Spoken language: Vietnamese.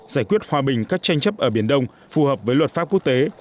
giải quyết hòa bình các tranh chấp ở biển đông phù hợp với luật pháp quốc tế